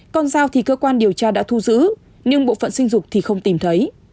con dao thì cơ quan điều tra đã thu giữ nhưng bộ phận sinh dục thì không tìm thấy